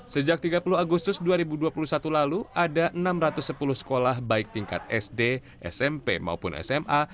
sejak tiga puluh agustus dua ribu dua puluh satu lalu ada enam ratus sepuluh sekolah baik tingkat sd smp maupun sma